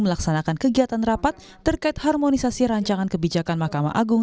melaksanakan kegiatan rapat terkait harmonisasi rancangan kebijakan mahkamah agung